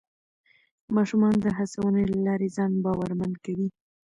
ماشومان د هڅونې له لارې ځان باورمن کوي